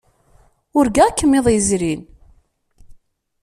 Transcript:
Urgaɣ-kem iḍ yezrin.